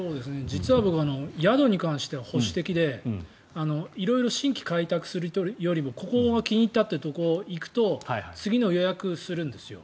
実は僕、宿に関しては保守的で色々新規開拓するよりもここが気に入ったというところに行くと次の予約をするんですよ。